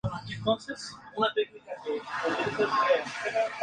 Ha sido profesora en el Instituto de Investigaciones Dr.